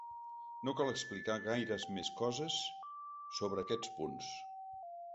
No cal explicar gaires més coses sobre aquests punts.